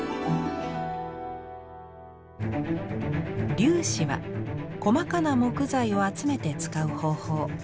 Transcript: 「粒子」は細かな木材を集めて使う方法。